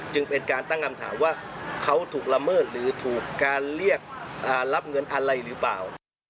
จึงเป็นการตั้งคำถามว่าเขาถูกละเมิดหรือถูกการเรียกรับเงินอะไรหรือเปล่า